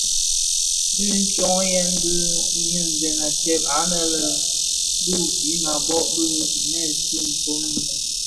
Di tsyoghèn bi nynzèn a tsèb anë a binzi bo dhi binèsun fomin.